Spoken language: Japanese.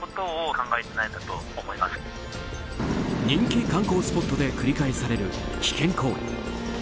人気観光スポットで繰り返される危険行為。